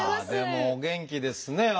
でもお元気ですね。